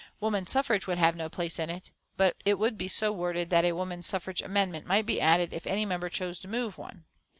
Woman suffrage would have no place in it, but it would be so worded that a woman suffrage amendment might be added if any member chose to move one.